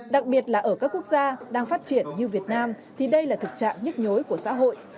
đặc biệt là ở các quốc gia đang phát triển như việt nam thì đây là thực trạng nhức nhối của xã hội